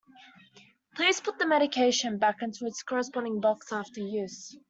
Please put the medication back into its corresponding box after use.